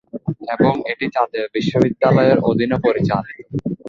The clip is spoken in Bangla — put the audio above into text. এবং এটি জাতীয় বিশ্ববিদ্যালয়ের অধীনে পরিচালিত।